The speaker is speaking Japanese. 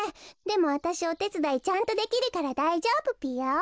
でもわたしおてつだいちゃんとできるからだいじょうぶぴよ。